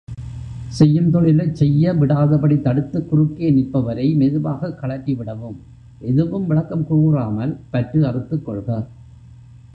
செய்யும் தொழிலைச் செய்யவிடாதபடி தடுத்துக் குறுக்கே நிற்பவரை மெதுவாகக் கழற்றிவிடவும் எதுவும் விளக்கம் கூறாமல் பற்று அறுத்துக் கொள்க.